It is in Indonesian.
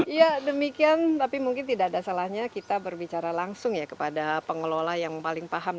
iya demikian tapi mungkin tidak ada salahnya kita berbicara langsung ya kepada pengelola yang paling paham